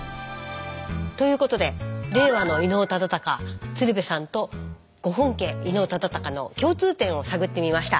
ということで令和の伊能忠敬鶴瓶さんとご本家伊能忠敬の共通点を探ってみました。